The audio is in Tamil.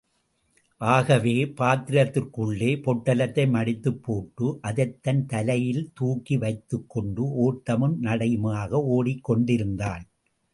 ஆகவே, பாத்திரத்திற்குள்ளே பொட்டலத்தை மடித்துப் போட்டு, அதைத்தன் தலையில் தூக்கி வைத்துக் கொண்டு, ஓட்டமும் நடையுமாக ஒடிக் கொண்டிருந்தாள்.